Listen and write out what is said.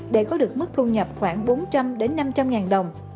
để có được mức thu nhập khoảng bốn trăm linh năm trăm linh ngàn đồng